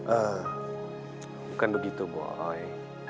ehh bukan begitu boy